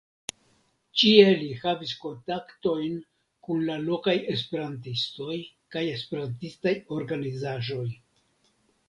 Ĉie li havis kontaktojn kun la lokaj esperantistoj kaj esperantistaj organizaĵoj.